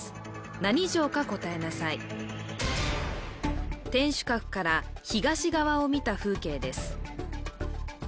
何城か答えなさい天守閣から東側を見た風景です